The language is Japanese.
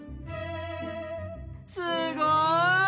すごい！